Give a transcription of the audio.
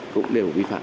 cũng đều bị phạm